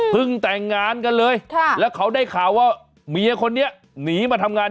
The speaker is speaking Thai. แต่งงานกันเลยแล้วเขาได้ข่าวว่าเมียคนนี้หนีมาทำงาน